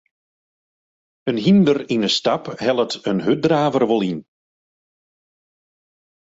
In hynder yn 'e stap hellet in hurddraver wol yn.